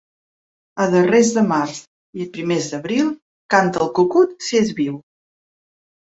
A darrers de març i a primers d'abril canta el cucut, si és viu.